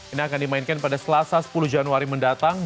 ini akan dimainkan pada selasa sepuluh januari mendatang